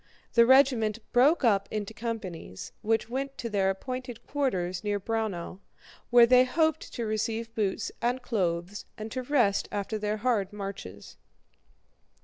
The regiment broke up into companies, which went to their appointed quarters near Braunau, where they hoped to receive boots and clothes and to rest after their hard marches.